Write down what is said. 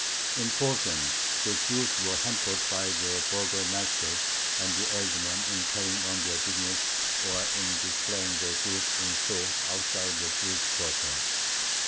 In Posen the Jews were hampered by the burgomaster and the aldermen in carrying on their business or in displaying their goods in stores outside the Jewish quarter.